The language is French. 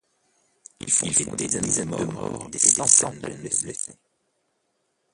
Ils font des dizaines de morts et des centaines de blessés.